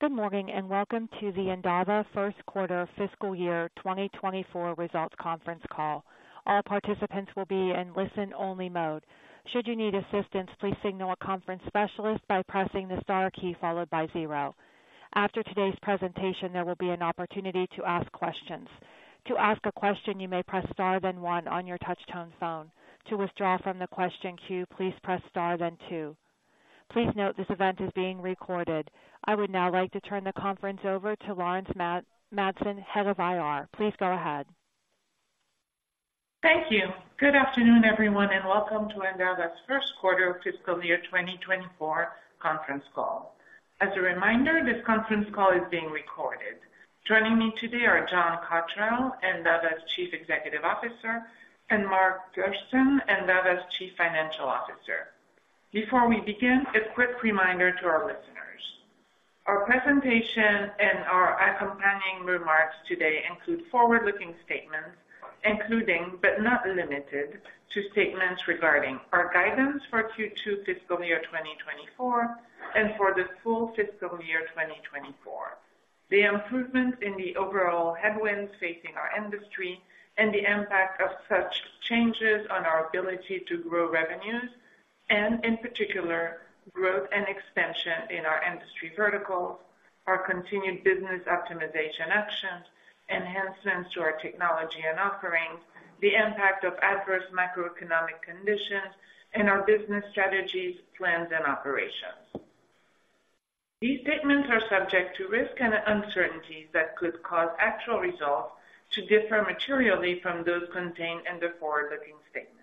Good morning, and welcome to the Endava First Quarter Fiscal Year 2024 Results Conference Call. All participants will be in listen-only mode. Should you need assistance, please signal a conference specialist by pressing the star key followed by zero. After today's presentation, there will be an opportunity to ask questions. To ask a question, you may press star, then one on your touchtone phone. To withdraw from the question queue, please press star, then two. Please note this event is being recorded. I would now like to turn the conference over to Laurence Madsen, Head of IR. Please go ahead. Thank you. Good afternoon, everyone, and welcome to Endava's First Quarter Fiscal Year 2024 Conference Call. As a reminder, this conference call is being recorded. Joining me today are John Cottrell, Endava's Chief Executive Officer, and Mark Thurston, Endava's Chief Financial Officer. Before we begin, a quick reminder to our listeners. Our presentation and our accompanying remarks today include forward-looking statements, including, but not limited to statements regarding our guidance for Q2 fiscal year 2024 and for the full fiscal year 2024, the improvement in the overall headwinds facing our industry and the impact of such changes on our ability to grow revenues, and in particular, growth and expansion in our industry verticals, our continued business optimization actions, enhancements to our technology and offerings, the impact of adverse macroeconomic conditions, and our business strategies, plans, and operations. These statements are subject to risks and uncertainties that could cause actual results to differ materially from those contained in the forward-looking statements.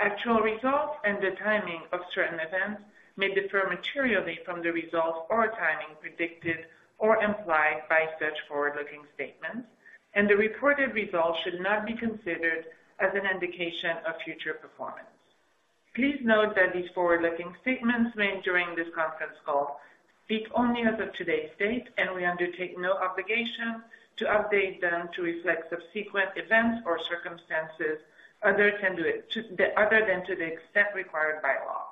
Actual results and the timing of certain events may differ materially from the results or timing predicted or implied by such forward-looking statements, and the reported results should not be considered as an indication of future performance. Please note that these forward-looking statements made during this conference call speak only as of today's date, and we undertake no obligation to update them to reflect subsequent events or circumstances, other than to the extent required by law.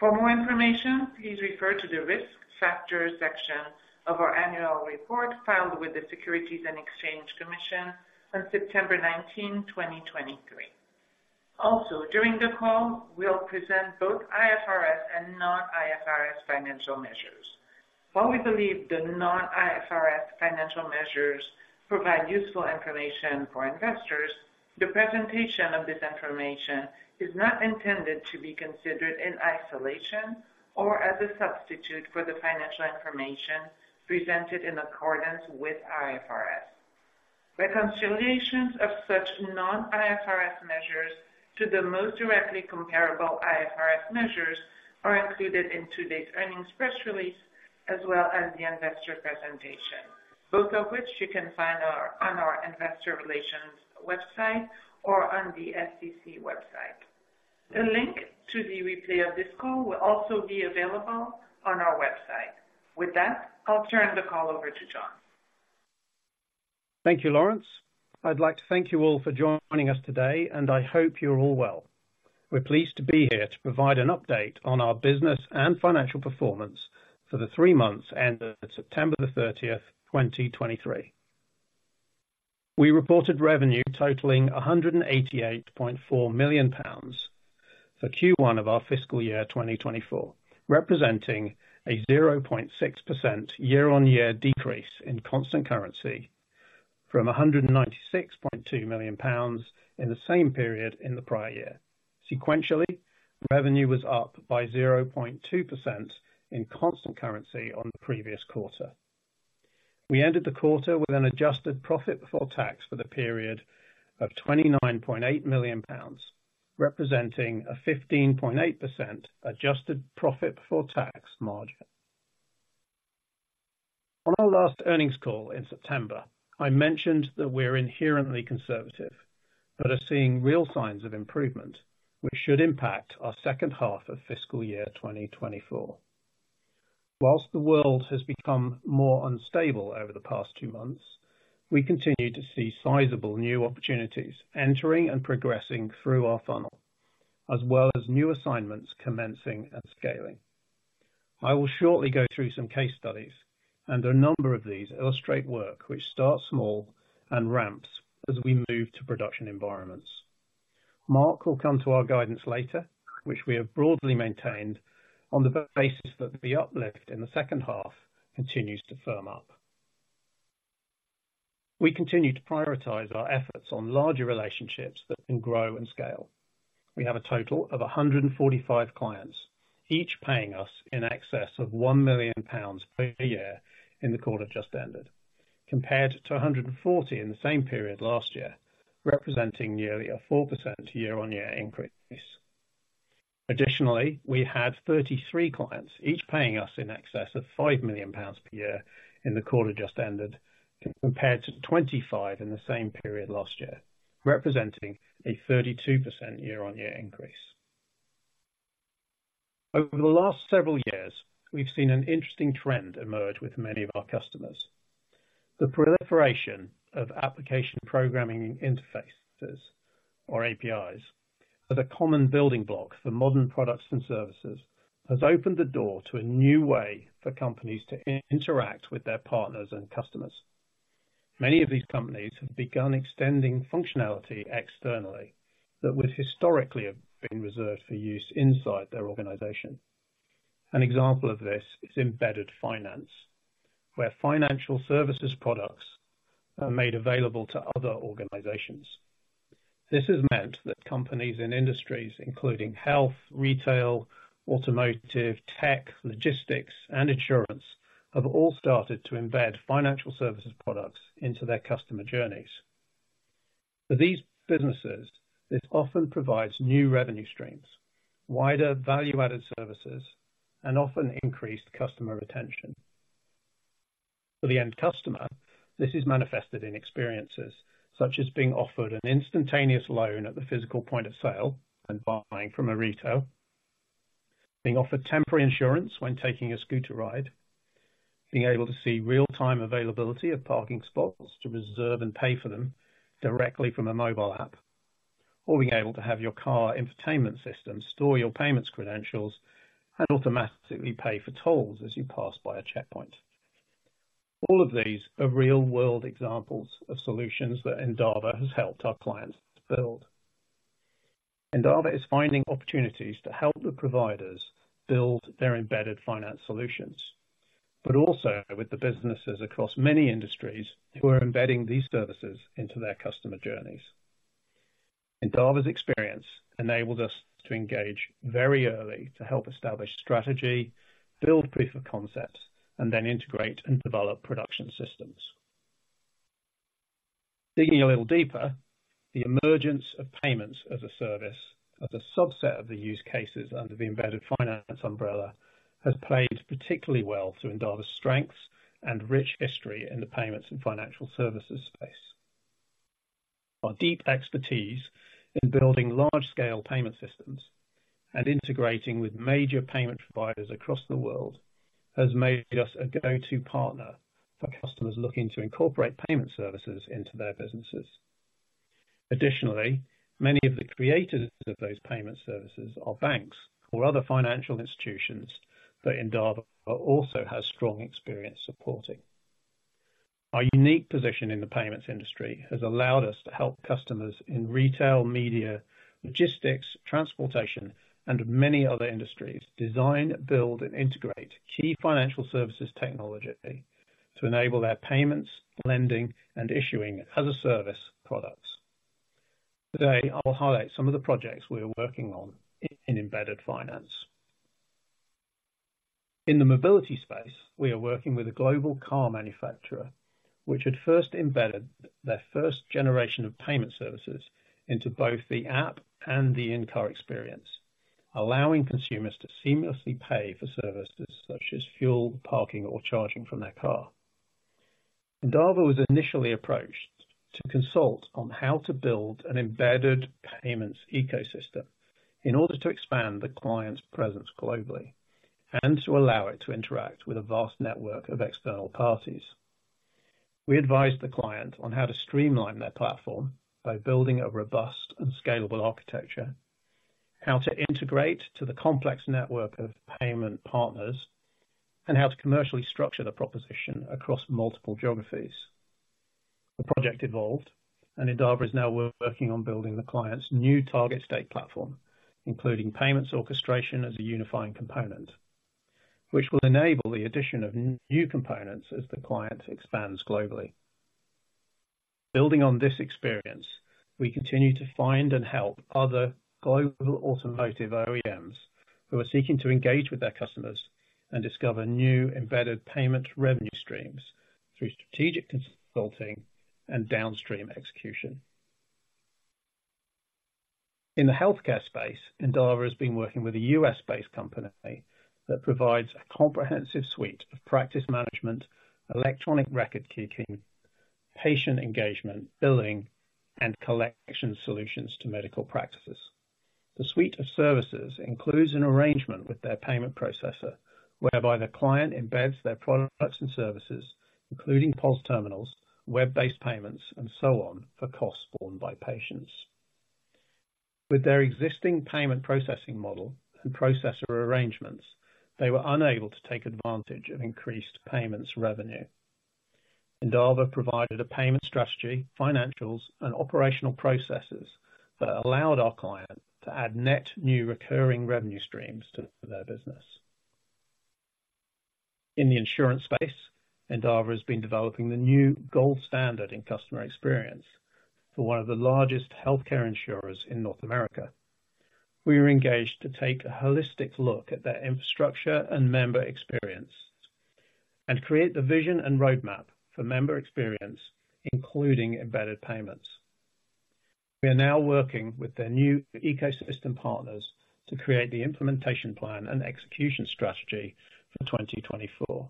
For more information, please refer to the Risk Factors section of our annual report, filed with the Securities and Exchange Commission on September 19, 2023. Also, during the call, we'll present both IFRS and non-IFRS financial measures. While we believe the non-IFRS financial measures provide useful information for investors, the presentation of this information is not intended to be considered in isolation or as a substitute for the financial information presented in accordance with IFRS. Reconciliations of such non-IFRS measures to the most directly comparable IFRS measures are included in today's earnings press release, as well as the investor presentation, both of which you can find on our investor relations website or on the SEC website. The link to the replay of this call will also be available on our website. With that, I'll turn the call over to John. Thank you, Laurence. I'd like to thank you all for joining us today, and I hope you're all well. We're pleased to be here to provide an update on our business and financial performance for the three months ended September 30th, 2023. We reported revenue totaling 188.4 million pounds for Q1 of our fiscal year 2024, representing a 0.6% year-on-year decrease in constant currency from 196.2 million pounds in the same period in the prior year. Sequentially, revenue was up by 0.2% in constant currency on the previous quarter. We ended the quarter with an adjusted profit before tax for the period of 29.8 million pounds, representing a 15.8% adjusted profit before tax margin. On our last earnings call in September, I mentioned that we're inherently conservative but are seeing real signs of improvement, which should impact our second half of fiscal year 2024. Whilst the world has become more unstable over the past two months, we continue to see sizable new opportunities entering and progressing through our funnel, as well as new assignments commencing and scaling. I will shortly go through some case studies, and a number of these illustrate work which starts small and ramps as we move to production environments. Mark will come to our guidance later, which we have broadly maintained on the basis that the uplift in the second half continues to firm up. We continue to prioritize our efforts on larger relationships that can grow and scale. We have a total of 145 clients, each paying us in excess of 1 million pounds per year in the quarter just ended, compared to 140 in the same period last year, representing nearly a 4% year-on-year increase. Additionally, we had 33 clients, each paying us in excess of 5 million pounds per year in the quarter just ended, compared to 25 in the same period last year, representing a 32% year-on-year increase. Over the last several years, we've seen an interesting trend emerge with many of our customers. The proliferation of application programming interfaces, or APIs, are the common building block for modern products and services, has opened the door to a new way for companies to interact with their partners and customers. Many of these companies have begun extending functionality externally that would historically have been reserved for use inside their organization. An example of this is embedded finance, where financial services products are made available to other organizations. This has meant that companies in industries including health, retail, automotive, tech, logistics, and insurance, have all started to embed financial services products into their customer journeys. For these businesses, this often provides new revenue streams, wider value-added services, and often increased customer retention. For the end customer, this is manifested in experiences such as being offered an instantaneous loan at the physical point of sale when buying from a retail, being offered temporary insurance when taking a scooter ride, being able to see real-time availability of parking spots to reserve and pay for them directly from a mobile app, or being able to have your car infotainment system store your payment credentials and automatically pay for tolls as you pass by a checkpoint. All of these are real-world examples of solutions that Endava has helped our clients build. Endava is finding opportunities to help the providers build their embedded finance solutions, but also with the businesses across many industries who are embedding these services into their customer journeys. Endava's experience enabled us to engage very early to help establish strategy, build proof of concepts, and then integrate and develop production systems. Digging a little deeper, the emergence of payments as a service, as a subset of the use cases under the embedded finance umbrella, has played particularly well to Endava's strengths and rich history in the payments and financial services space. Our deep expertise in building large-scale payment systems and integrating with major payment providers across the world, has made us a go-to partner for customers looking to incorporate payment services into their businesses. Additionally, many of the creators of those payment services are banks or other financial institutions that Endava also has strong experience supporting. Our unique position in the payments industry has allowed us to help customers in retail, media, logistics, transportation, and many other industries, design, build, and integrate key financial services technology to enable their payments, lending, and issuing as-a-service products. Today, I will highlight some of the projects we are working on in Embedded Finance. In the mobility space, we are working with a global car manufacturer, which had first embedded their first generation of payment services into both the app and the in-car experience, allowing consumers to seamlessly pay for services such as fuel, parking, or charging from their car. Endava was initially approached to consult on how to build an embedded payments ecosystem in order to expand the client's presence globally and to allow it to interact with a vast network of external parties. We advised the client on how to streamline their platform by building a robust and scalable architecture, how to integrate to the complex network of payment partners, and how to commercially structure the proposition across multiple geographies. The project evolved, and Endava is now working on building the client's new target state platform, including payments orchestration as a unifying component, which will enable the addition of new components as the client expands globally. Building on this experience, we continue to find and help other global automotive OEMs who are seeking to engage with their customers and discover new embedded payment revenue streams through strategic consulting and downstream execution. In the healthcare space, Endava has been working with a U.S.-based company that provides a comprehensive suite of practice management, electronic record keeping, patient engagement, billing, and collection solutions to medical practices. The suite of services includes an arrangement with their payment processor, whereby the client embeds their products and services, including POS terminals, web-based payments, and so on, for costs borne by patients. With their existing payment processing model and processor arrangements, they were unable to take advantage of increased payments revenue. Endava provided a payment strategy, financials, and operational processes that allowed our client to add net new recurring revenue streams to their business. In the insurance space, Endava has been developing the new gold standard in customer experience for one of the largest healthcare insurers in North America. We were engaged to take a holistic look at their infrastructure and member experience, and create the vision and roadmap for member experience, including embedded payments. We are now working with their new ecosystem partners to create the implementation plan and execution strategy for 2024.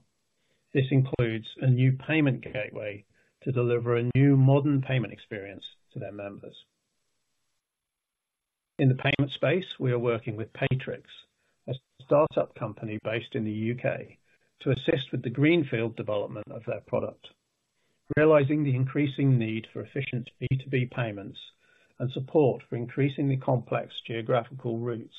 This includes a new payment gateway to deliver a new modern payment experience to their members. In the payment space, we are working with Paytrix, a startup company based in the U.K., to assist with the greenfield development of their product. Realizing the increasing need for efficient B2B payments and support for increasingly complex geographical routes,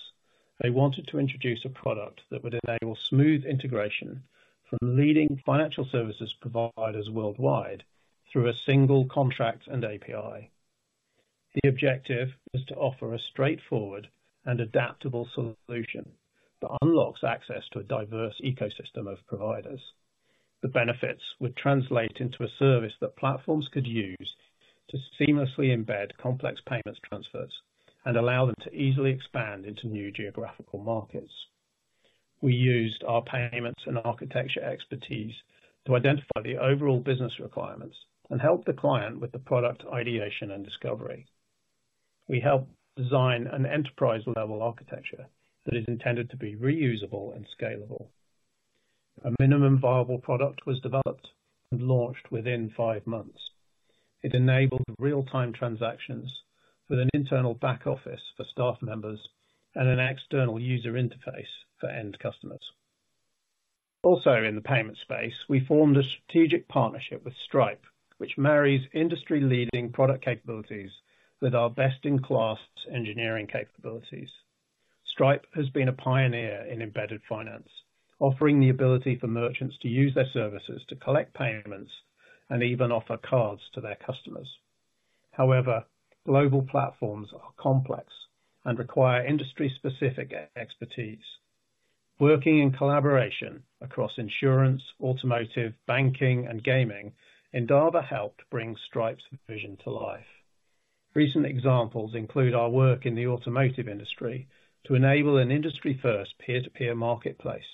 they wanted to introduce a product that would enable smooth integration from leading financial services providers worldwide through a single contract and API. The objective is to offer a straightforward and adaptable solution that unlocks access to a diverse ecosystem of providers. The benefits would translate into a service that platforms could use to seamlessly embed complex payments transfers and allow them to easily expand into new geographical markets. We used our payments and architecture expertise to identify the overall business requirements and help the client with the product ideation and discovery. We helped design an enterprise-level architecture that is intended to be reusable and scalable. A minimum viable product was developed and launched within five months. It enabled real-time transactions with an internal back office for staff members and an external user interface for end customers. Also, in the payment space, we formed a strategic partnership with Stripe, which marries industry-leading product capabilities with our best-in-class engineering capabilities. Stripe has been a pioneer in embedded finance, offering the ability for merchants to use their services to collect payments and even offer cards to their customers. However, global platforms are complex and require industry-specific expertise. Working in collaboration across insurance, automotive, banking, and gaming, Endava helped bring Stripe's vision to life. Recent examples include our work in the automotive industry to enable an industry-first peer-to-peer marketplace,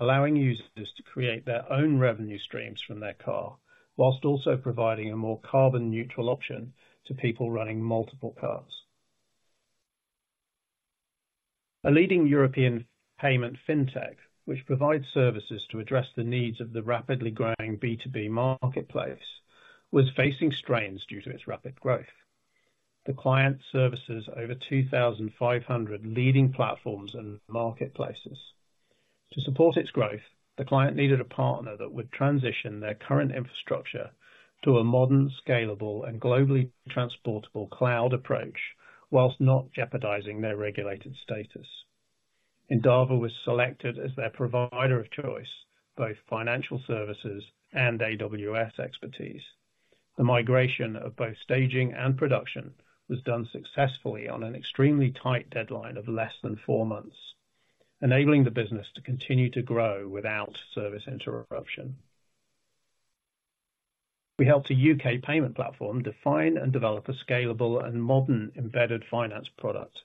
allowing users to create their own revenue streams from their car, while also providing a more carbon-neutral option to people running multiple cars. A leading European payment fintech, which provides services to address the needs of the rapidly growing B2B marketplace, was facing strains due to its rapid growth. The client services over 2,500 leading platforms and marketplaces. To support its growth, the client needed a partner that would transition their current infrastructure to a modern, scalable, and globally transportable cloud approach, while not jeopardizing their regulated status. Endava was selected as their provider of choice, both financial services and AWS expertise. The migration of both staging and production was done successfully on an extremely tight deadline of less than four months, enabling the business to continue to grow without service interruption. We helped a UK payment platform define and develop a scalable and modern embedded finance product.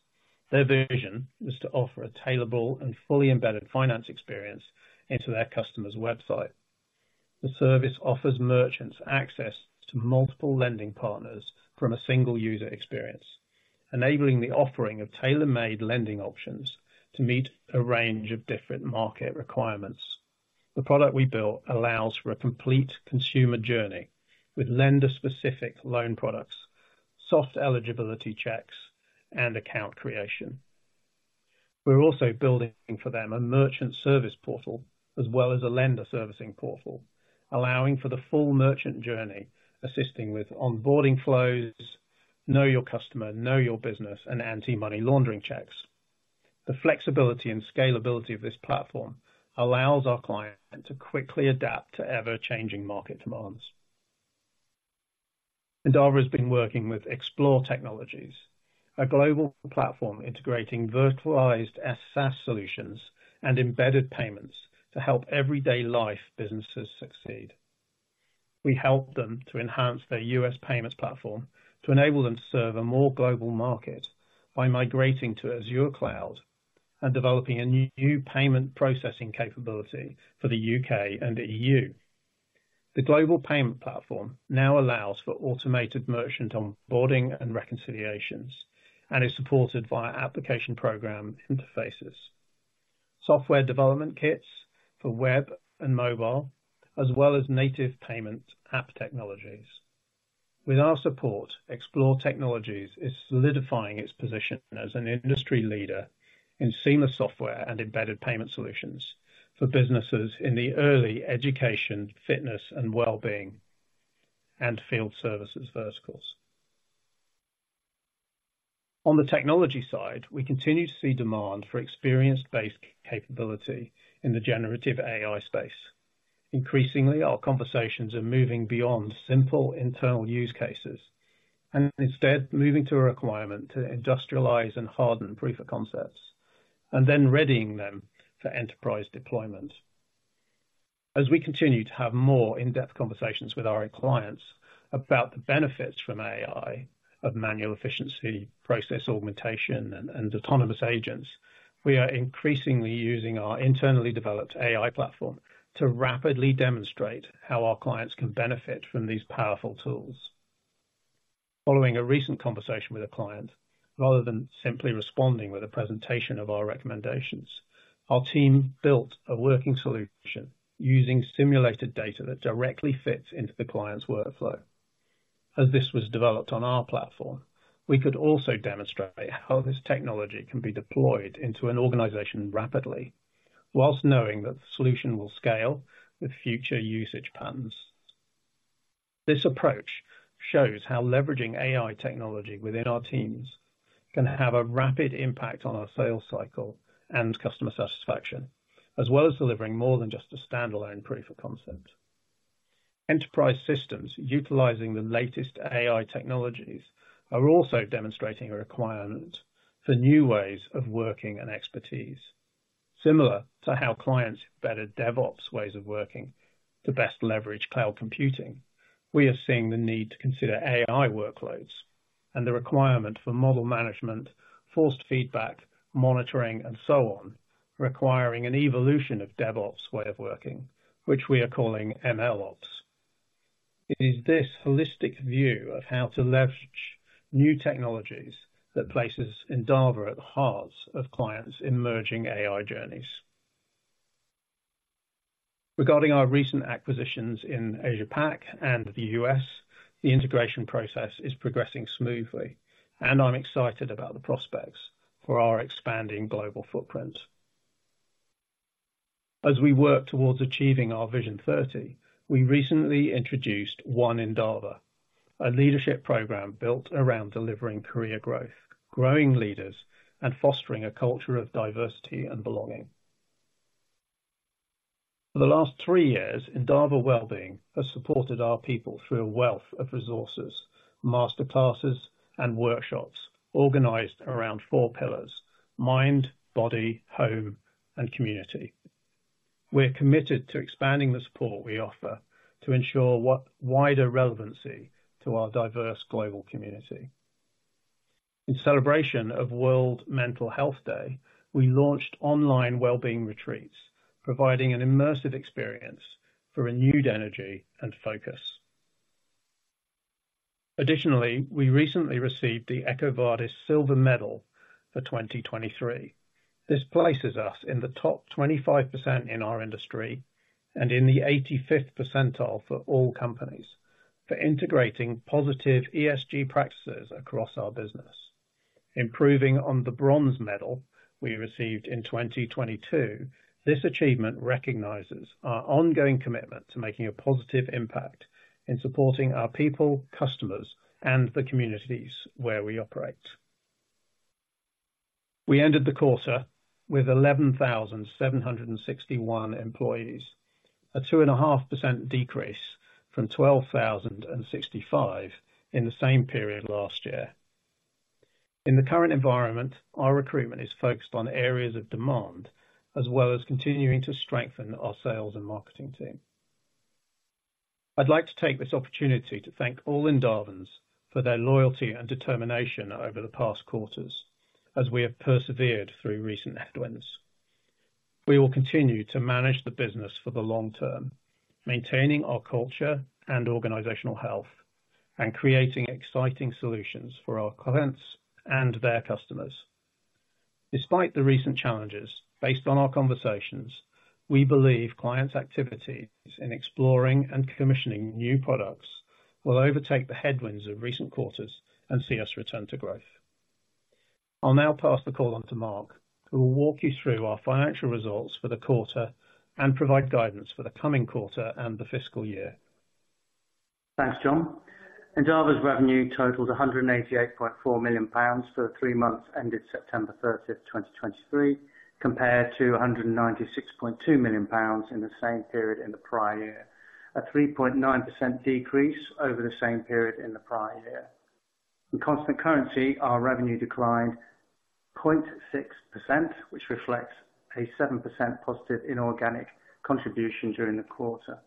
Their vision was to offer a tailorable and fully embedded finance experience into their customer's website. The service offers merchants access to multiple lending partners from a single user experience, enabling the offering of tailor-made lending options to meet a range of different market requirements. The product we built allows for a complete consumer journey with lender-specific loan products, soft eligibility checks, and account creation. We're also building for them a merchant service portal, as well as a lender servicing portal, allowing for the full merchant journey, assisting with onboarding flows, Know Your Customer, Know Your Business, and anti-money laundering checks. The flexibility and scalability of this platform allows our client to quickly adapt to ever-changing market demands. Endava has been working with Xplor Technologies, a global platform integrating virtualized SaaS solutions and embedded payments to help everyday life businesses succeed. We helped them to enhance their U.S. payments platform to enable them to serve a more global market by migrating to Azure and developing a new payment processing capability for the U.K. and the EU. The global payment platform now allows for automated merchant onboarding and reconciliations, and is supported via application program interfaces, software development kits for web and mobile, as well as native payment app technologies. With our support, Xplor Technologies is solidifying its position as an industry leader in seamless software and embedded payment solutions for businesses in the early education, fitness and wellbeing, and field services verticals. On the technology side, we continue to see demand for experience-based capability in the generative AI space. Increasingly, our conversations are moving beyond simple internal use cases and instead moving to a requirement to industrialize and harden proof of concepts and then readying them for enterprise deployment. As we continue to have more in-depth conversations with our clients about the benefits from AI, of manual efficiency, process augmentation, and autonomous agents, we are increasingly using our internally developed AI platform to rapidly demonstrate how our clients can benefit from these powerful tools. Following a recent conversation with a client, rather than simply responding with a presentation of our recommendations, our team built a working solution using simulated data that directly fits into the client's workflow. As this was developed on our platform, we could also demonstrate how this technology can be deployed into an organization rapidly, while knowing that the solution will scale with future usage patterns. This approach shows how leveraging AI technology within our teams can have a rapid impact on our sales cycle and customer satisfaction, as well as delivering more than just a standalone proof of concept. Enterprise systems utilizing the latest AI technologies are also demonstrating a requirement for new ways of working and expertise. Similar to how clients bettered DevOps ways of working to best leverage cloud computing, we are seeing the need to consider AI workloads and the requirement for model management, forced feedback, monitoring, and so on, requiring an evolution of DevOps way of working, which we are calling MLOps. It is this holistic view of how to leverage new technologies that places Endava at the heart of clients' emerging AI journeys. Regarding our recent acquisitions in Asia Pac and the US, the integration process is progressing smoothly, and I'm excited about the prospects for our expanding global footprint. As we work towards achieving our Vision 2030, we recently introduced One Endava, a leadership program built around delivering career growth, growing leaders, and fostering a culture of diversity and belonging. For the last three years, Endava Wellbeing has supported our people through a wealth of resources, master classes, and workshops organized around four pillars: mind, body, home, and community. We're committed to expanding the support we offer to ensure wider relevancy to our diverse global community. In celebration of World Mental Health Day, we launched online wellbeing retreats, providing an immersive experience for renewed energy and focus. Additionally, we recently received the EcoVadis Silver Medal for 2023. This places us in the top 25% in our industry and in the 85th percentile for all companies, for integrating positive ESG practices across our business. Improving on the bronze medal we received in 2022, this achievement recognizes our ongoing commitment to making a positive impact in supporting our people, customers, and the communities where we operate. We ended the quarter with 11,761 employees, a 2.5% decrease from 12,065 in the same period last year. In the current environment, our recruitment is focused on areas of demand, as well as continuing to strengthen our sales and marketing team. I'd like to take this opportunity to thank all Endavans for their loyalty and determination over the past quarters, as we have persevered through recent headwinds. We will continue to manage the business for the long term, maintaining our culture and organizational health, and creating exciting solutions for our clients and their customers. Despite the recent challenges, based on our conversations, we believe clients' activities in exploring and commissioning new products will overtake the headwinds of recent quarters and see us return to growth. I'll now pass the call on to Mark, who will walk you through our financial results for the quarter and provide guidance for the coming quarter and the fiscal year. Thanks, John. Endava's revenue totaled 188.4 million pounds for the three months ended September 30, 2023, compared to 196.2 million pounds in the same period in the prior year, a 3.9% decrease over the same period in the prior year. In constant currency, our revenue declined 0.6%, which reflects a 7% positive inorganic contribution during the quarter.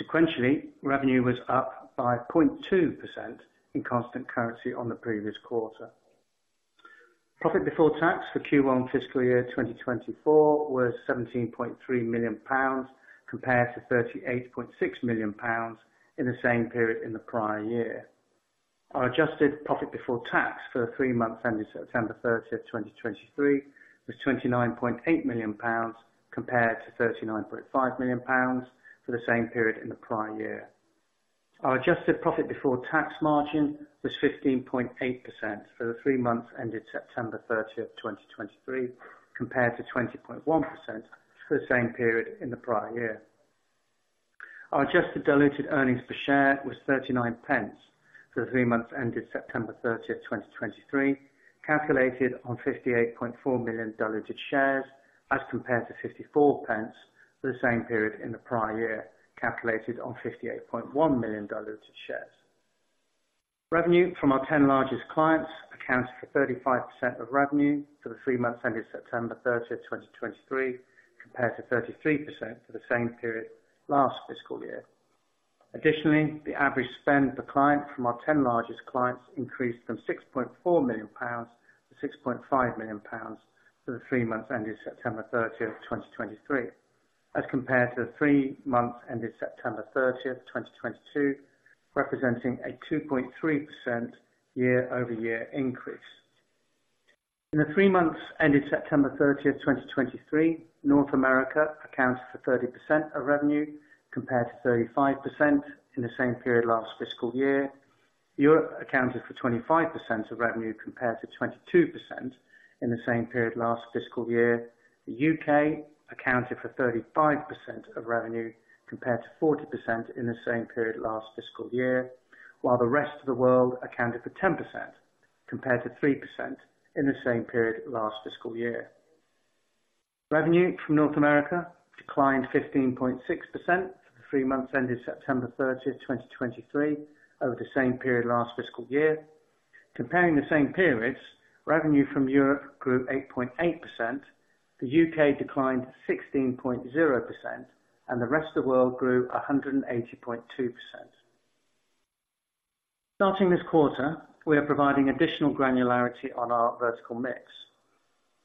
Sequentially, revenue was up by 0.2% in constant currency on the previous quarter. Profit before tax for Q1 fiscal year 2024 was 17.3 million pounds, compared to 38.6 million pounds in the same period in the prior year. Our adjusted profit before tax for the three months ended September 30, 2023, was 29.8 million pounds, compared to 39.5 million pounds for the same period in the prior year. Our adjusted profit before tax margin was 15.8% for the three months ended September 30, 2023, compared to 20.1% for the same period in the prior year. Our adjusted diluted earnings per share was 39 pence for the three months ended September 30, 2023, calculated on 58.4 million diluted shares, as compared to 54 pence for the same period in the prior year, calculated on 58.1 million diluted shares. Revenue from our 10 largest clients accounted for 35% of revenue for the three months ended September 30, 2023, compared to 33% for the same period last fiscal year. Additionally, the average spend per client from our 10 largest clients increased from 6.4 million-6.5 million pounds for the three months ended September 30, 2023, as compared to the three months ended September 30, 2022, representing a 2.3% year-over-year increase. In the three months ended September 30, 2023, North America accounted for 30% of revenue, compared to 35% in the same period last fiscal year. Europe accounted for 25% of revenue, compared to 22% in the same period last fiscal year. The UK accounted for 35% of revenue, compared to 40% in the same period last fiscal year, while the rest of the world accounted for 10%, compared to 3% in the same period last fiscal year. Revenue from North America declined 15.6% for the three months ended September 30, 2023, over the same period last fiscal year. Comparing the same periods, revenue from Europe grew 8.8%, the UK declined 16.0%, and the rest of the world grew 180.2%. Starting this quarter, we are providing additional granularity on our vertical mix.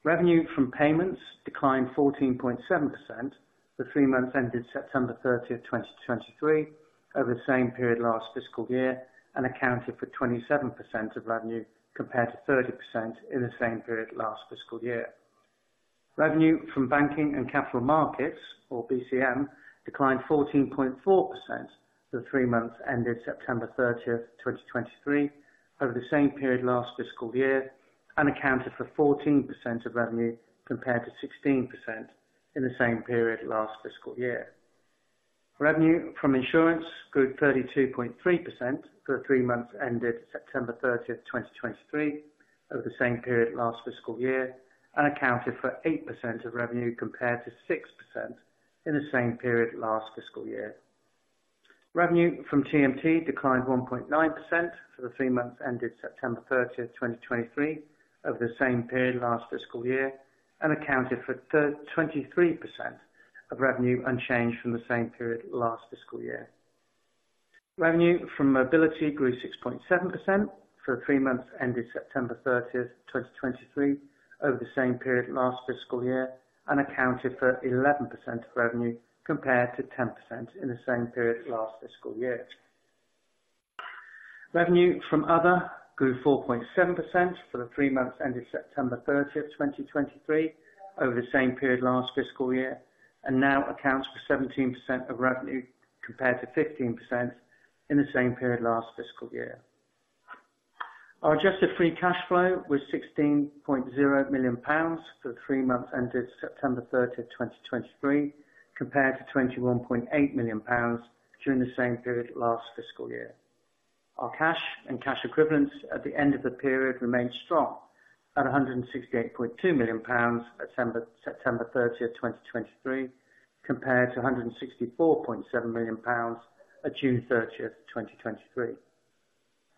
Revenue from payments declined 14.7% for the three months ended September 30, 2023, over the same period last fiscal year, and accounted for 27% of revenue, compared to 30% in the same period last fiscal year. Revenue from banking and capital markets, or BCM, declined 14.4% for the three months ended September 30, 2023, over the same period last fiscal year, and accounted for 14% of revenue, compared to 16% in the same period last fiscal year. Revenue from insurance grew 32.3% for the three months ended September 30, 2023, over the same period last fiscal year, and accounted for 8% of revenue, compared to 6% in the same period last fiscal year. Revenue from TMT declined 1.9% for the three months ended September 30, 2023, over the same period last fiscal year, and accounted for 23% of revenue, unchanged from the same period last fiscal year. Revenue from mobility grew 6.7% for the three months ended September 30, 2023, over the same period last fiscal year, and accounted for 11% of revenue, compared to 10% in the same period last fiscal year. Revenue from other grew 4.7% for the three months ended September 30, 2023, over the same period last fiscal year, and now accounts for 17% of revenue, compared to 15% in the same period last fiscal year. Our adjusted free cash flow was 16.0 million pounds for the three months ended September 30, 2023, compared to 21.8 million pounds during the same period last fiscal year. Our cash and cash equivalents at the end of the period remained strong at 168.2 million pounds, September 30th, 2023, compared to 164.7 million pounds at June 30th, 2023.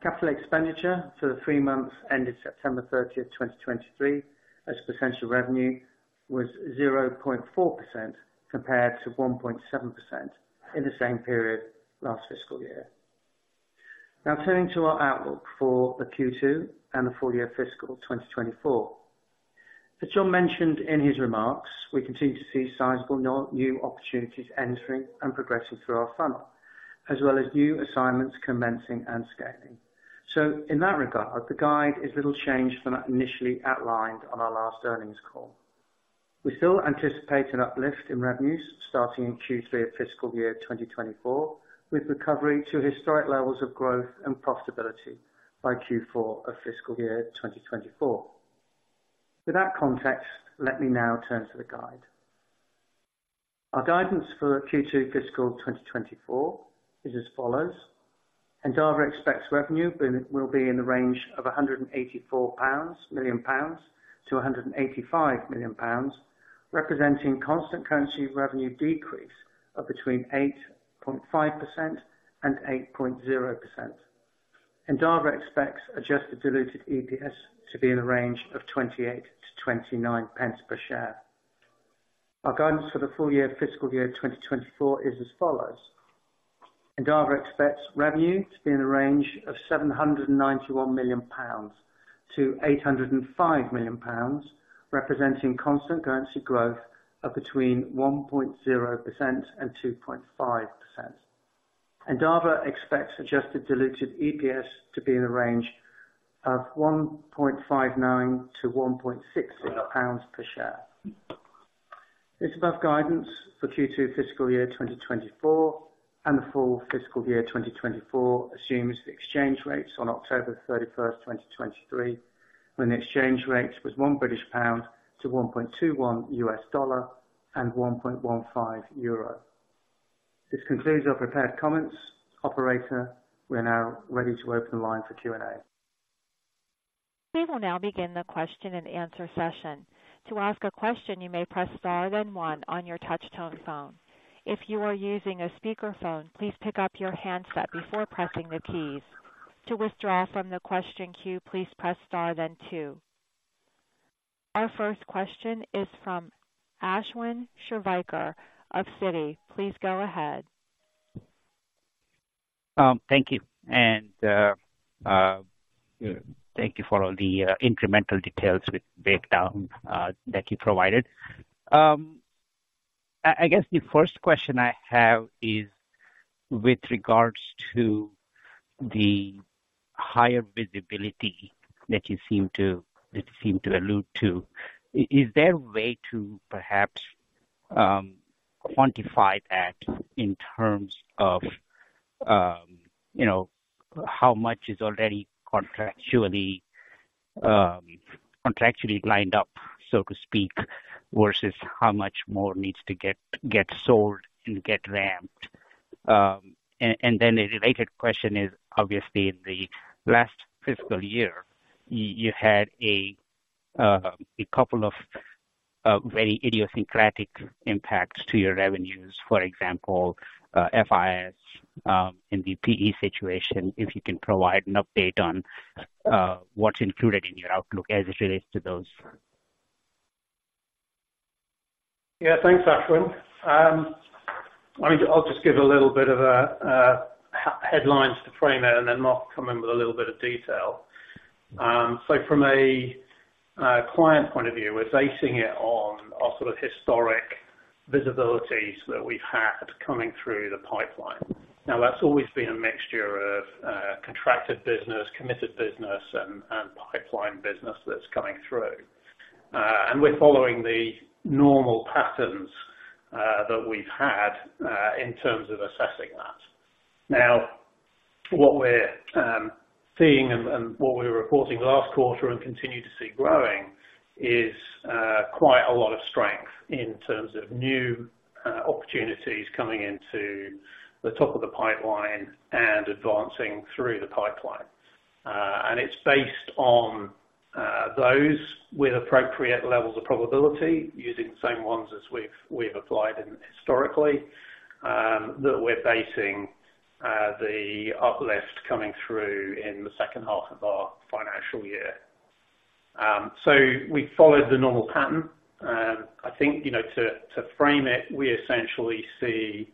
Capital expenditure for the three months ended September 30th, 2023, as a percent of revenue, was 0.4%, compared to 1.7% in the same period last fiscal year. Now, turning to our outlook for the Q2 and the full year fiscal 2024. As John mentioned in his remarks, we continue to see sizable new opportunities entering and progressing through our funnel, as well as new assignments commencing and scaling. So in that regard, the guide is little changed from what initially outlined on our last earnings call. We still anticipate an uplift in revenues starting in Q3 of fiscal year 2024, with recovery to historic levels of growth and profitability by Q4 of fiscal year 2024. With that context, let me now turn to the guide. Our guidance for Q2 fiscal 2024 is as follows: Endava expects revenue will be in the range of 184 million-185 million pounds, representing constant currency revenue decrease of between 8.5% and 8.0%. Endava expects adjusted diluted EPS to be in the range of 28-29 pence per share. Our guidance for the full year of fiscal year 2024 is as follows: Endava expects revenue to be in the range of 791 million-805 million pounds, representing constant currency growth of between 1.0% and 2.5%. Endava expects adjusted diluted EPS to be in the range of 1.59-1.66 pounds per share. This above guidance for Q2 fiscal year 2024 and the full fiscal year 2024 assumes exchange rates on October 31, 2023, when the exchange rate was one British pound to $1.21 and 1.15 euro. This concludes our prepared comments. Operator, we are now ready to open the line for Q&A. We will now begin the question and answer session. To ask a question, you may press Star, then one on your touchtone phone. If you are using a speakerphone, please pick up your handset before pressing the keys. To withdraw from the question queue, please press Star, then two. Our first question is from Ashwin Shirvaikar of Citi. Please go ahead. Thank you, and thank you for all the incremental details with breakdown that you provided. I guess the first question I have is with regards to the higher visibility that you seem to allude to. Is there a way to perhaps quantify that in terms of, you know, how much is already contractually lined up, so to speak, versus how much more needs to get sold and get ramped? And then the related question is, obviously, in the last fiscal year, you had a couple of very idiosyncratic impacts to your revenues, for example, FIS, and the PE situation, if you can provide an update on what's included in your outlook as it relates to those? Yeah, thanks, Ashwin. I mean, I'll just give a little bit of headlines to frame it, and then Mark will come in with a little bit of detail. So from a client point of view, we're basing it on our sort of historic visibilities that we've had coming through the pipeline. Now, that's always been a mixture of contracted business, committed business, and pipeline business that's coming through. And we're following the normal patterns that we've had in terms of assessing that. Now, what we're seeing and what we were reporting last quarter and continue to see growing is quite a lot of strength in terms of new opportunities coming into the top of the pipeline and advancing through the pipeline. And it's based on those with appropriate levels of probability, using the same ones as we've applied them historically, that we're basing the uplift coming through in the second half of our financial year. So we followed the normal pattern. I think, you know, to frame it, we essentially see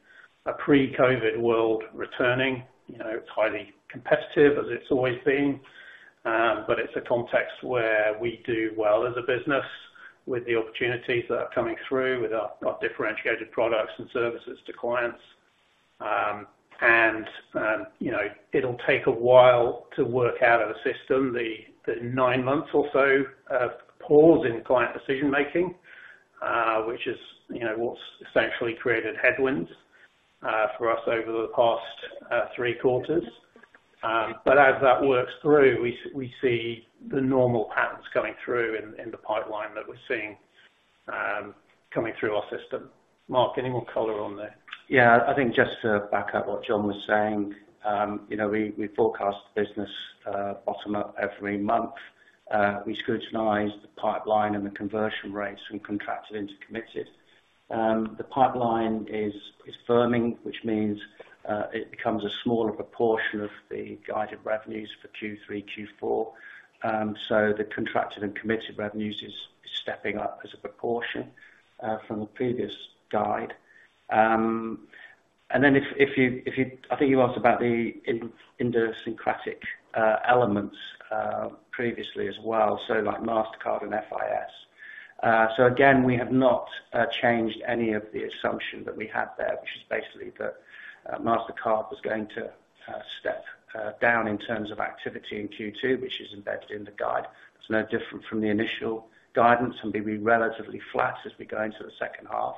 a pre-COVID world returning. You know, it's highly competitive, as it's always been, but it's a context where we do well as a business with the opportunities that are coming through, with our differentiated products and services to clients. And you know, it'll take a while to work out of the system, the nine months or so of pause in client decision making, which is, you know, what's essentially created headwinds for us over the past three quarters. But as that works through, we see the normal patterns coming through in the pipeline that we're seeing coming through our system. Mark, any more color on this? Yeah, I think just to back up what John was saying, you know, we forecast the business bottom up every month. We scrutinize the pipeline and the conversion rates from contracted into committed. The pipeline is firming, which means it becomes a smaller proportion of the guided revenues for Q3, Q4. So the contracted and committed revenues is stepping up as a proportion from the previous guide. And then if you, I think you asked about the idiosyncratic elements previously as well, so like Mastercard and FIS. So again, we have not changed any of the assumption that we had there, which is basically that Mastercard was going to step down in terms of activity in Q2, which is embedded in the guide. It's no different from the initial guidance, and be relatively flat as we go into the second half,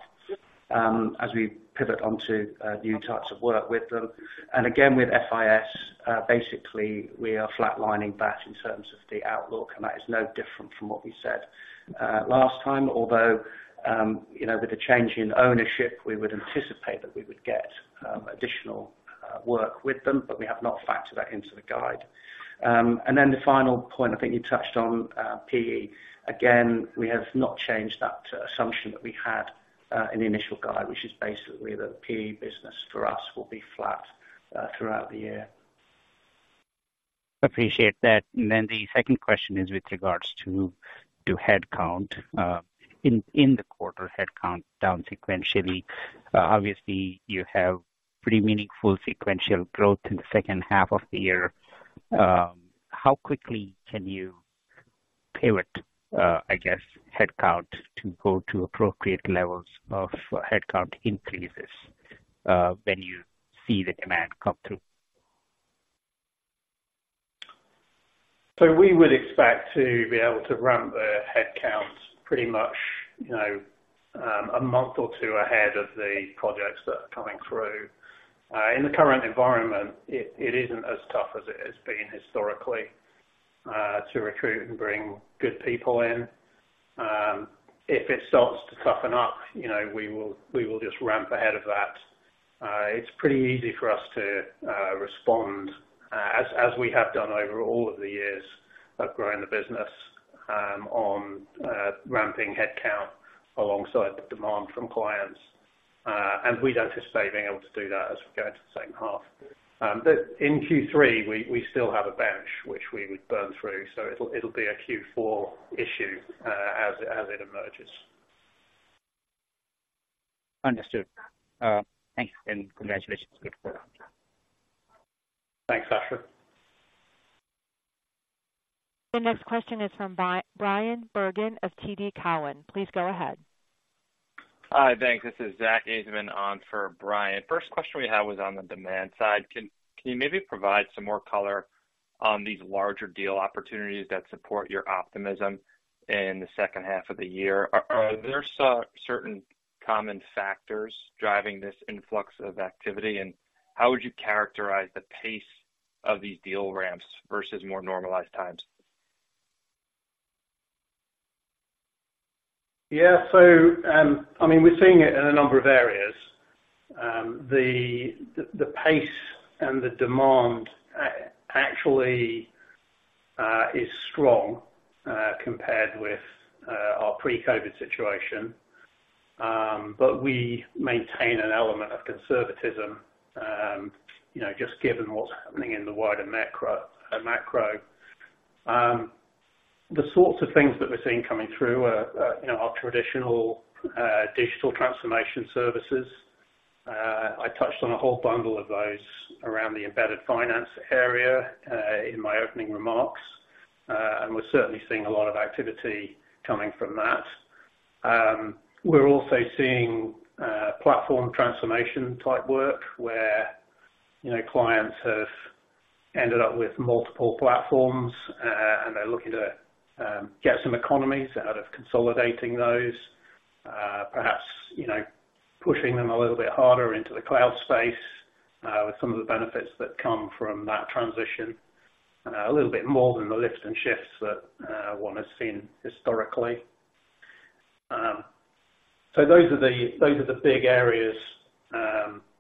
as we pivot onto new types of work with them. And again, with FIS, basically, we are flatlining that in terms of the outlook, and that is no different from what we said last time. Although, you know, with the change in ownership, we would anticipate that we would get additional work with them, but we have not factored that into the guide. And then the final point, I think you touched on, PE. Again, we have not changed that assumption that we had in the initial guide, which is basically that PE business for us will be flat throughout the year. Appreciate that. Then the second question is with regards to headcount. In the quarter, headcount down sequentially. Obviously, you have pretty meaningful sequential growth in the second half of the year. How quickly can you pivot, I guess, headcount to go to appropriate levels of headcount increases when you see the demand come through? So we would expect to be able to ramp the headcount pretty much, you know, a month or two ahead of the projects that are coming through. In the current environment, it isn't as tough as it has been historically to recruit and bring good people in. If it starts to toughen up, you know, we will just ramp ahead of that. It's pretty easy for us to respond, as we have done over all of the years of growing the business, on ramping headcount alongside the demand from clients. And we'd anticipate being able to do that as we go into the second half. But in Q3, we still have a bench which we would burn through, so it'll be a Q4 issue, as it emerges. Understood. Thanks, and congratulations. Good quarter. Thanks, Ashwin. The next question is from Bryan Bergin of TD Cowen. Please go ahead. Hi, thanks. This is Zack Ajzenman on for Bryan Bergin. First question we had was on the demand side. Can you maybe provide some more color on these larger deal opportunities that support your optimism in the second half of the year? Are there certain common factors driving this influx of activity, and how would you characterize the pace of these deal ramps versus more normalized times? Yeah, so, I mean, we're seeing it in a number of areas. The pace and the demand actually is strong compared with our pre-COVID situation. But we maintain an element of conservatism, you know, just given what's happening in the wider macro. The sorts of things that we're seeing coming through are, you know, our traditional digital transformation services. I touched on a whole bundle of those around the embedded finance area in my opening remarks, and we're certainly seeing a lot of activity coming from that. We're also seeing platform transformation type work where, you know, clients have ended up with multiple platforms, and they're looking to get some economies out of consolidating those. Perhaps, you know, pushing them a little bit harder into the cloud space, with some of the benefits that come from that transition. A little bit more than the lifts and shifts that one has seen historically. So those are the, those are the big areas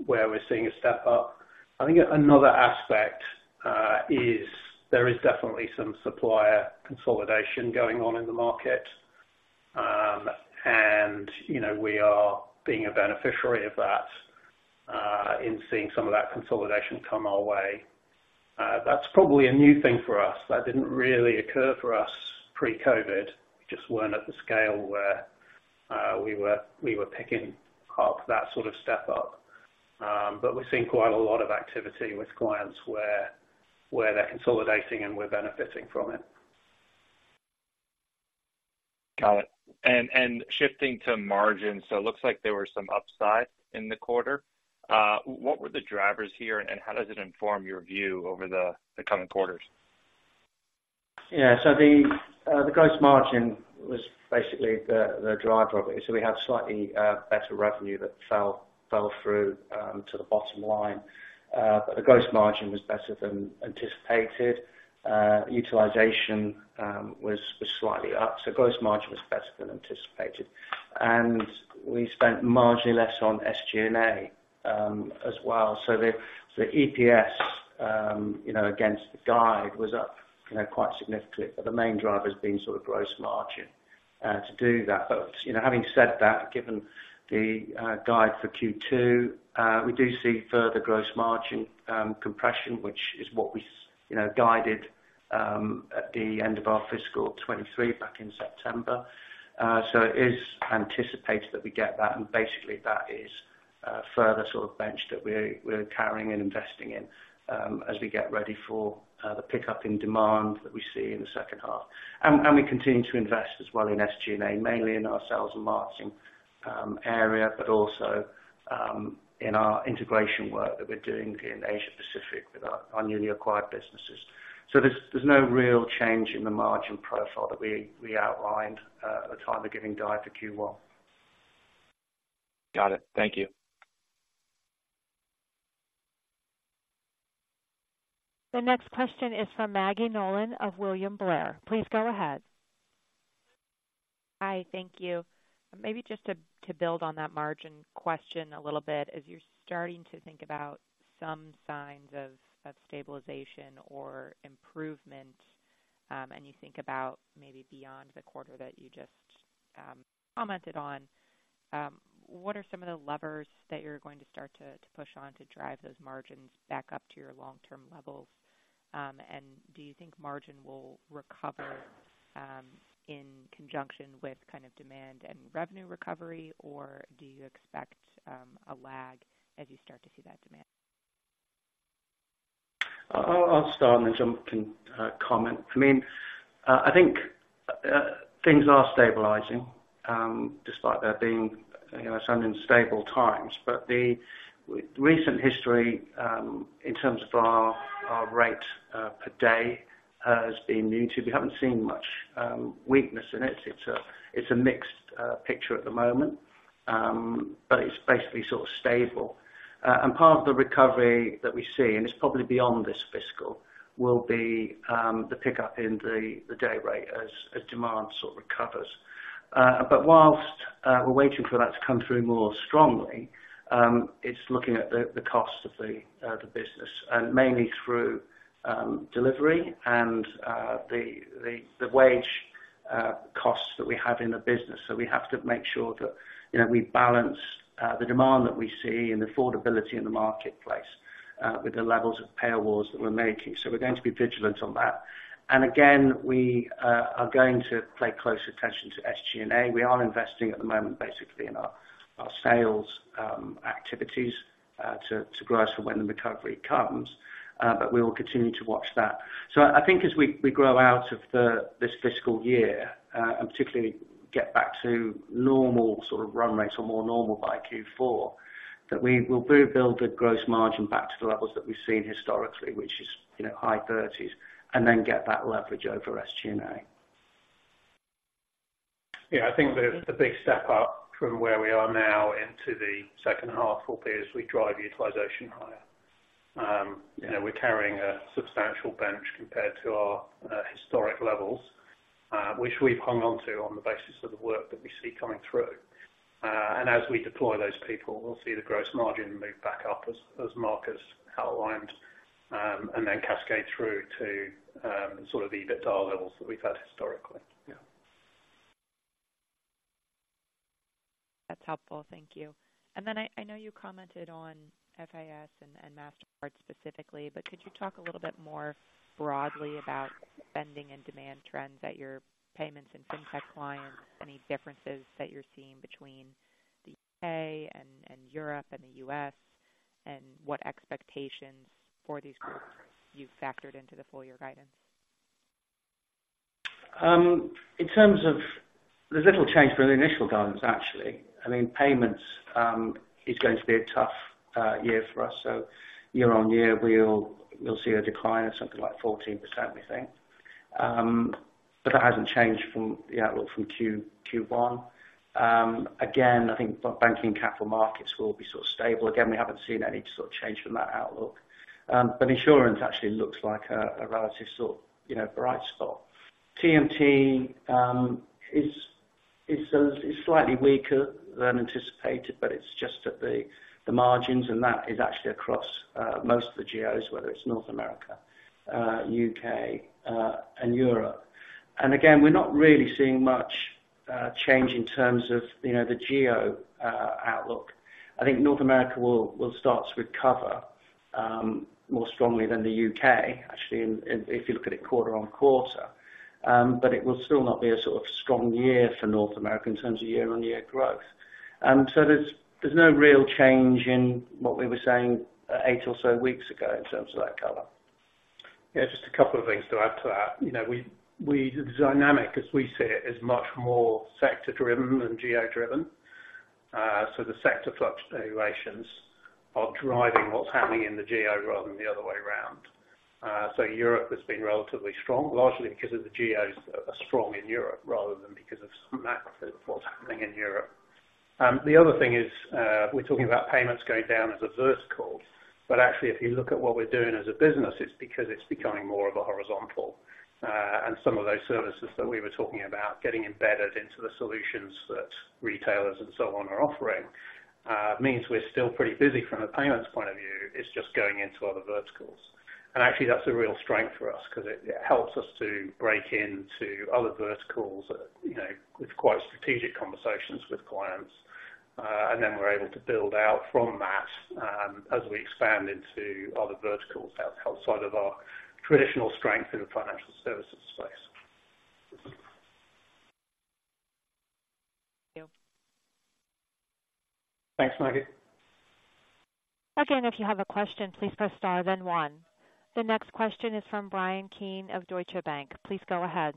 where we're seeing a step up. I think another aspect is there is definitely some supplier consolidation going on in the market. And, you know, we are being a beneficiary of that, in seeing some of that consolidation come our way. That's probably a new thing for us. That didn't really occur for us pre-COVID. Just weren't at the scale where we were, we were picking up that sort of step up. But we're seeing quite a lot of activity with clients where, where they're consolidating, and we're benefiting from it. Got it. And shifting to margins, so it looks like there were some upsides in the quarter. What were the drivers here, and how does it inform your view over the coming quarters? Yeah, so the gross margin was basically the driver of it. So we had slightly better revenue that fell through to the bottom line. But the gross margin was better than anticipated. Utilization was slightly up, so gross margin was better than anticipated. And we spent marginally less on SG&A as well. So the EPS, you know, against the guide was up, you know, quite significant, but the main driver has been sort of gross margin to do that. But, you know, having said that, given the guide for Q2, we do see further gross margin compression, which is what we, you know, guided at the end of our fiscal 2023, back in September. So it is anticipated that we get that, and basically that is a further sort of bench that we're carrying and investing in as we get ready for the pickup in demand that we see in the second half. We continue to invest as well in SG&A, mainly in our sales and marketing area, but also in our integration work that we're doing in Asia Pacific with our newly acquired businesses. So there's no real change in the margin profile that we outlined at the time of giving guide for Q1. Got it. Thank you. The next question is from Maggie Nolan of William Blair. Please go ahead. Hi, thank you. Maybe just to build on that margin question a little bit. As you're starting to think about some signs of stabilization or improvement, and you think about maybe beyond the quarter that you just commented on, what are some of the levers that you're going to start to push on to drive those margins back up to your long-term levels? And do you think margin will recover in conjunction with kind of demand and revenue recovery, or do you expect a lag as you start to see that demand? I'll start and then John can comment. I mean, I think things are stabilizing despite there being, you know, some unstable times. But the recent history in terms of our rate per day has been muted. We haven't seen much weakness in it. It's a mixed picture at the moment, but it's basically sort of stable. And part of the recovery that we see, and it's probably beyond this fiscal, will be the pickup in the day rate as demand sort of recovers. But whilst we're waiting for that to come through more strongly, it's looking at the cost of the business, and mainly through delivery and the wage costs that we have in the business. So we have to make sure that, you know, we balance the demand that we see and affordability in the marketplace with the levels of payrolls that we're making. So we're going to be vigilant on that. And again, we are going to pay close attention to SG&A. We are investing at the moment, basically in our sales activities to grow so when the recovery comes, but we will continue to watch that. So I think as we grow out of this fiscal year, and particularly get back to normal sort of run rates or more normal by Q4, that we will rebuild the gross margin back to the levels that we've seen historically, which is, you know, high thirties, and then get that leverage over SG&A. Yeah, I think the big step up from where we are now into the second half will be as we drive utilization higher. You know, we're carrying a substantial bench compared to our historic levels, which we've hung on to on the basis of the work that we see coming through. And as we deploy those people, we'll see the gross margin move back up as Mark outlined, and then cascade through to sort of the EBITDA levels that we've had historically. Yeah. That's helpful. Thank you. And then I know you commented on FIS and Mastercard specifically, but could you talk a little bit more broadly about spending and demand trends at your payments and Fintech clients? Any differences that you're seeing between the U.K. and Europe and the U.S., and what expectations for these groups you've factored into the full year guidance? There's little change from the initial guidance, actually. I mean, payments is going to be a tough year for us. So year-on-year, we'll see a decline of something like 14%, we think. But that hasn't changed from the outlook from Q1. Again, I think banking capital markets will be sort of stable. Again, we haven't seen any sort of change from that outlook. But insurance actually looks like a relative sort, you know, bright spot. TMT is slightly weaker than anticipated, but it's just at the margins, and that is actually across most of the geos, whether it's North America, UK, and Europe. And again, we're not really seeing much change in terms of, you know, the geo outlook. I think North America will start to recover more strongly than the UK, actually, if you look at it quarter-on-quarter. But it will still not be a sort of strong year for North America in terms of year-on-year growth. And so there's no real change in what we were saying eight or so weeks ago in terms of that color. Yeah, just a couple of things to add to that. You know, the dynamic, as we see it, is much more sector-driven than geo-driven. So the sector fluctuations are driving what's happening in the geo rather than the other way around. So Europe has been relatively strong, largely because the geos are strong in Europe rather than because of macro what's happening in Europe. The other thing is, we're talking about payments going down as a vertical, but actually, if you look at what we're doing as a business, it's because it's becoming more of a horizontal. And some of those services that we were talking about, getting embedded into the solutions that retailers and so on are offering, means we're still pretty busy from a payments point of view. It's just going into other verticals. Actually, that's a real strength for us because it helps us to break into other verticals that, you know, with quite strategic conversations with clients. And then we're able to build out from that as we expand into other verticals outside of our traditional strength in the financial services space. Thank you. Thanks, Maggie. Again, if you have a question, please press Star, then one. The next question is from Bryan Keane of Deutsche Bank. Please go ahead.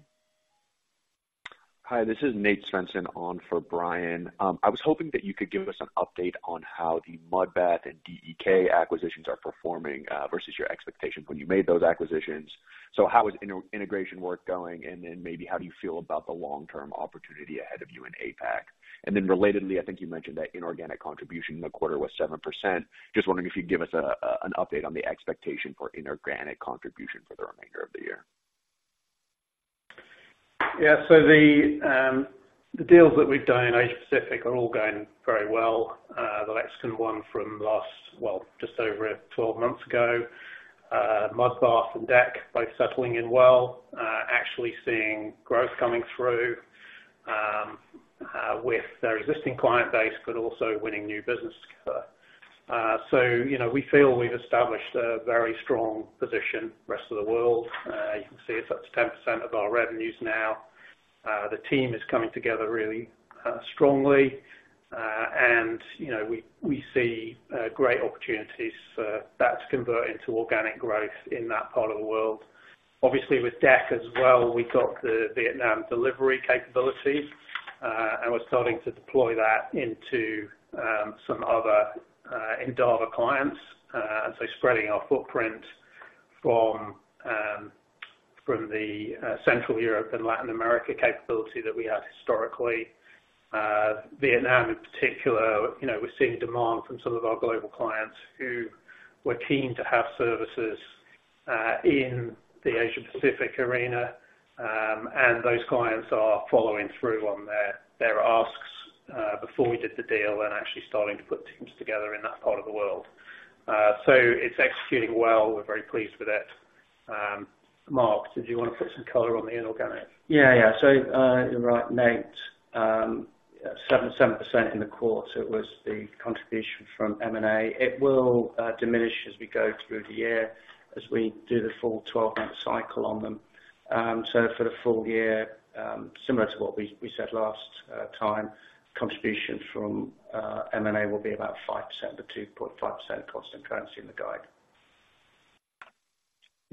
Hi, this is Nate Svensson on for Brian. I was hoping that you could give us an update on how the Mudbath and DEK acquisitions are performing versus your expectations when you made those acquisitions. So how is integration work going? And then maybe how do you feel about the long-term opportunity ahead of you in APAC? And then relatedly, I think you mentioned that inorganic contribution in the quarter was 7%. Just wondering if you'd give us an update on the expectation for inorganic contribution for the remainder of the year. Yeah. So the deals that we've done in Asia Pacific are all going very well. The Lexicon one from last, well, just over 12 months ago, Mudbath and DEK, both settling in well, actually seeing growth coming through with their existing client base, but also winning new business. So, you know, we feel we've established a very strong position, rest of the world. You can see it's up to 10% of our revenues now. The team is coming together really strongly, and, you know, we see great opportunities for that to convert into organic growth in that part of the world. Obviously, with DEK as well, we got the Vietnam delivery capability, and we're starting to deploy that into some other Endava clients, and so spreading our footprint from the Central Europe and Latin America capability that we had historically. Vietnam in particular, you know, we're seeing demand from some of our global clients who were keen to have services in the Asia Pacific arena, and those clients are following through on their asks before we did the deal and actually starting to put teams together in that part of the world. So it's executing well. We're very pleased with it. Mark, did you want to put some color on the inorganic? Yeah. Yeah. So, you're right, Nate, 7.7% in the quarter, it was the contribution from M&A. It will diminish as we go through the year, as we do the full 12-month cycle on them. So for the full year, similar to what we said last time, contribution from M&A will be about 5%-2.5% constant currency in the guide.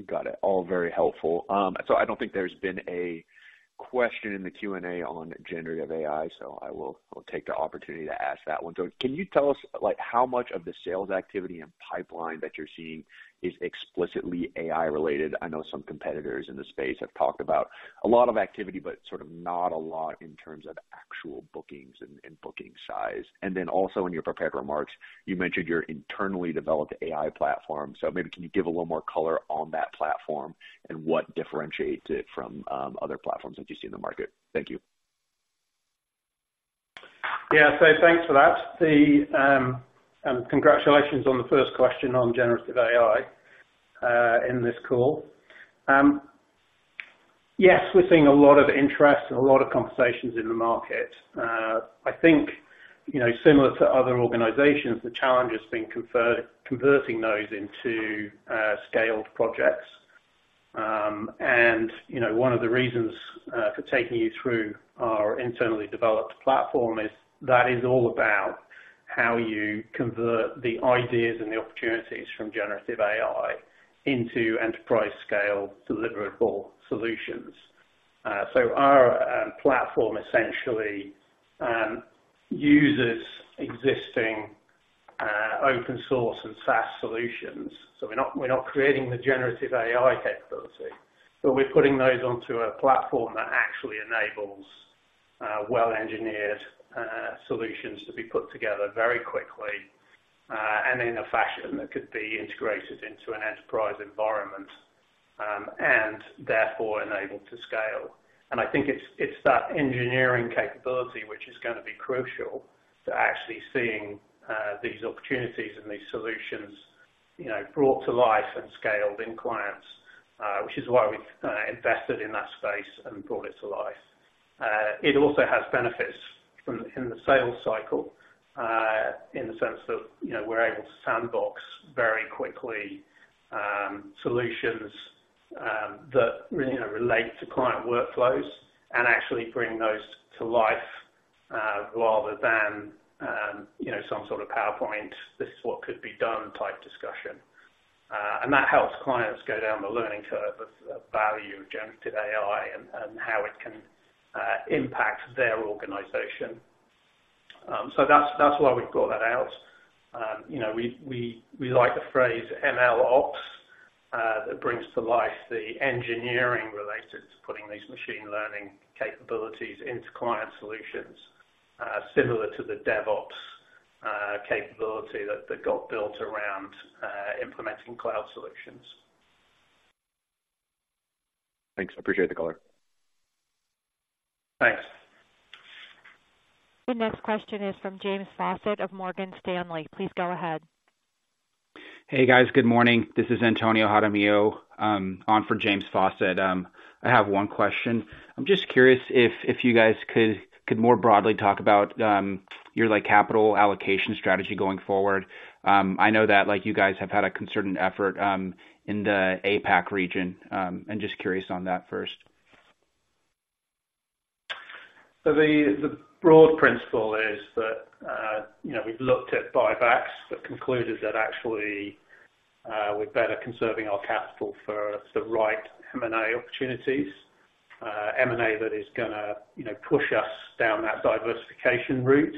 Got it. All very helpful. So I don't think there's been a question in the Q&A on generative AI, so I will, I will take the opportunity to ask that one. So can you tell us, like, how much of the sales activity and pipeline that you're seeing is explicitly AI related? I know some competitors in the space have talked about a lot of activity, but sort of not a lot in terms of actual bookings and, and booking size. And then also in your prepared remarks, you mentioned your internally developed AI platform. So maybe can you give a little more color on that platform and what differentiates it from, other platforms that you see in the market? Thank you. Yeah. So thanks for that. Congratulations on the first question on generative AI in this call. Yes, we're seeing a lot of interest and a lot of conversations in the market. I think, you know, similar to other organizations, the challenge has been converting those into scaled projects. And, you know, one of the reasons for taking you through our internally developed platform is that is all about how you convert the ideas and the opportunities from generative AI into enterprise-scale deliverable solutions. So our platform essentially uses existing open source and SaaS solutions. So we're not, we're not creating the generative AI capability, but we're putting those onto a platform that actually enables well-engineered solutions to be put together very quickly, and in a fashion that could be integrated into an enterprise environment, and therefore enabled to scale. And I think it's, it's that engineering capability which is gonna be crucial to actually seeing these opportunities and these solutions, you know, brought to life and scaled in clients, which is why we've invested in that space and brought it to life. It also has benefits from in the sales cycle, in the sense that, you know, we're able to sandbox very quickly, solutions, that, you know, relate to client workflows and actually bring those to life, rather than, you know, some sort of PowerPoint, this is what could be done, type discussion. And that helps clients go down the learning curve of value generative AI and how it can impact their organization. So that's why we've got that out. You know, we like the phrase MLOps that brings to life the engineering related to putting these machine learning capabilities into client solutions, similar to the DevOps capability that got built around implementing cloud solutions. Thanks. I appreciate the color. Thanks. The next question is from James Faucette of Morgan Stanley. Please go ahead. Hey, guys. Good morning. This is Antonio Jaramillo, on for James Faucette. I have one question. I'm just curious if you guys could more broadly talk about your, like, capital allocation strategy going forward. I know that, like, you guys have had a concerted effort in the APAC region, and just curious on that first. So the broad principle is that, you know, we've looked at buybacks, but concluded that actually, we're better conserving our capital for the right M&A opportunities. M&A, that is gonna, you know, push us down that diversification route.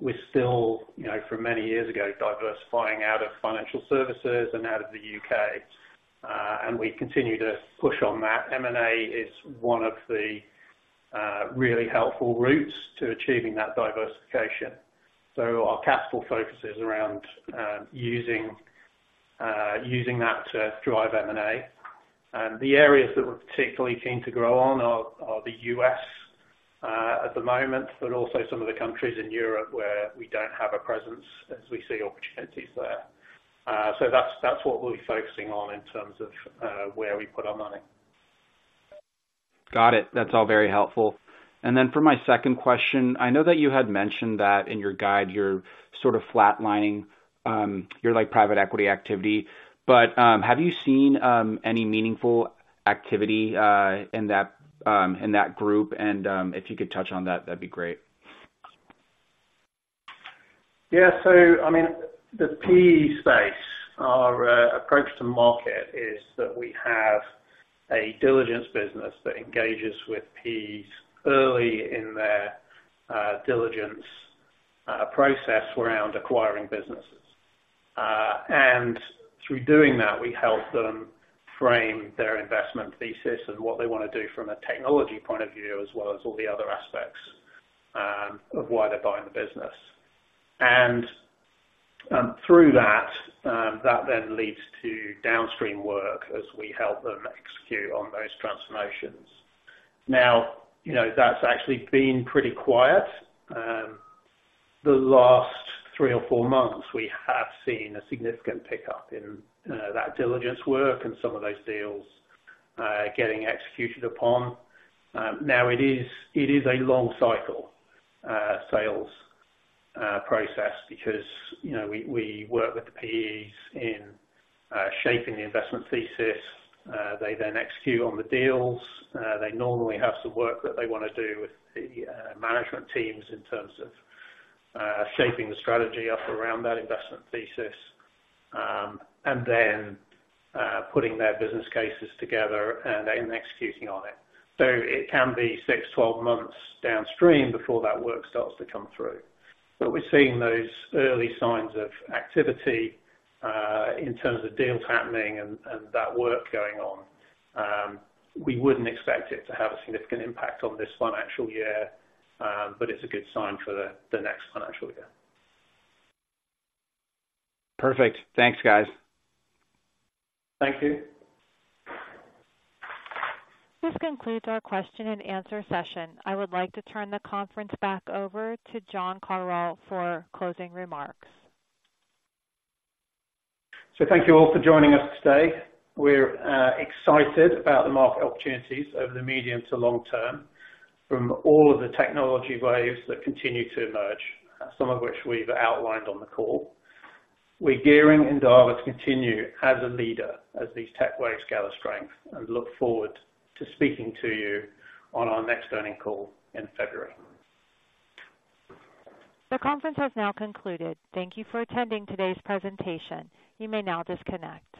We're still, you know, from many years ago, diversifying out of financial services and out of the U.K., and we continue to push on that. M&A is one of the really helpful routes to achieving that diversification. So our capital focus is around, using that to drive M&A. And the areas that we're particularly keen to grow on are the U.S., at the moment, but also some of the countries in Europe where we don't have a presence as we see opportunities there. So that's what we'll be focusing on in terms of where we put our money. Got it. That's all very helpful. And then for my second question, I know that you had mentioned that in your guide, you're sort of flatlining your like private equity activity. But have you seen any meaningful activity in that group? And if you could touch on that, that'd be great. Yeah, so I mean, the PE space, our approach to market is that we have a diligence business that engages with PEs early in their diligence process around acquiring businesses. And through doing that, we help them frame their investment thesis and what they wanna do from a technology point of view, as well as all the other aspects of why they're buying the business. And through that, that then leads to downstream work as we help them execute on those transformations. Now, you know, that's actually been pretty quiet. The last three or four months, we have seen a significant pickup in that diligence work and some of those deals getting executed upon. Now it is a long cycle sales process because, you know, we work with the PEs in shaping the investment thesis. They then execute on the deals. They normally have some work that they wanna do with the management teams in terms of shaping the strategy up around that investment thesis, and then putting their business cases together and then executing on it. So it can be six-12 months downstream before that work starts to come through. But we're seeing those early signs of activity in terms of deals happening and that work going on. We wouldn't expect it to have a significant impact on this financial year, but it's a good sign for the next financial year. Perfect. Thanks, guys. Thank you. This concludes our question and answer session. I would like to turn the conference back over to John Cottrell for closing remarks. So thank you all for joining us today. We're excited about the market opportunities over the medium to long term from all of the technology waves that continue to emerge, some of which we've outlined on the call. We're gearing Endava to continue as a leader as these tech waves gather strength, and look forward to speaking to you on our next earnings call in February. The conference has now concluded. Thank you for attending today's presentation. You may now disconnect.